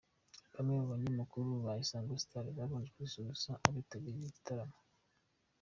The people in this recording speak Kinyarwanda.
Bamwe mu banyamakuru ba Isango Star babanje gususurutsa abitabiriye igitaramo.